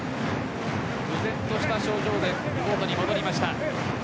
憮然とした表情でコートに戻りました。